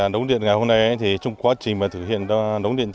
đống điện ngày hôm nay trong quá trình mà thực hiện đóng điện